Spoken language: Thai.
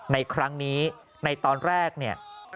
ในครั้งนี้ในตอนแรกเนี่ย